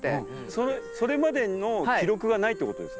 それそれまでの記録がないってことですか？